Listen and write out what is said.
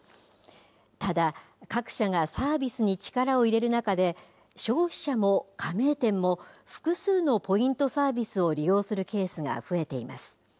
ただ、各社がサービスに力を入れる中で、消費者も加盟店も、複数のポイントサービスを利用するケースが増えています。